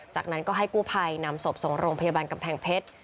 จากนั้นก็ให้กู้ภัยนำศพส่งโรงพยาบาลกำแพงเพชร